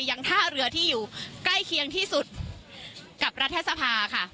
ยังท่าเรือที่อยู่ใกล้เคียงที่สุดกับรัฐสภาค่ะ